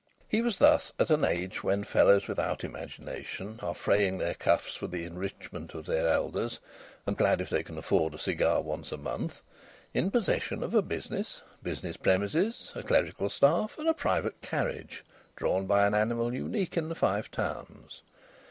He was thus, at an age when fellows without imagination are fraying their cuffs for the enrichment of their elders and glad if they can afford a cigar once a month, in possession of a business, business premises, a clerical staff, and a private carriage drawn by an animal unique in the Five Towns.